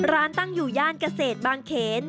ตั้งอยู่ย่านเกษตรบางเขน